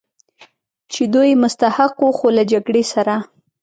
چې دوی یې مستحق و، خو له جګړې سره.